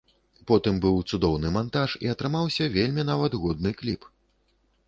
Потым быў цудоўны мантаж і атрымаўся вельмі нават годны кліп.